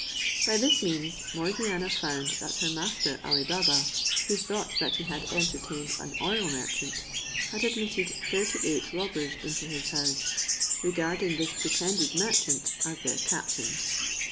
By this means, Morgiana found that her master Ali Baba, who thought that he had entertained an oil merchant, had admitted thirty eight robbers into his house, regarding this pretended merchant as their captain.